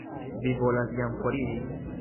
Vi volas jam foriri?